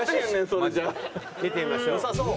見てみましょう。